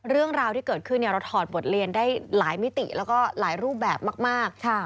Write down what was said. เรื่องราวที่เกิดขึ้นเราถอดบทเรียนได้หลายมิติแล้วก็หลายรูปแบบมาก